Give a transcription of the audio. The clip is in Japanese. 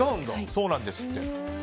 そうなんですって。